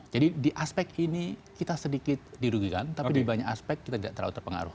jadi di aspek ini kita sedikit dirugikan tapi di banyak aspek kita tidak terlalu terpengaruh